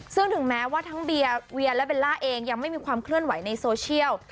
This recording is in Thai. ซึ่งถึงแม้ว่าทั้งเบียร์เวียและเบลล่าเองยังไม่มีความเคลื่อนไหวในโซเชียล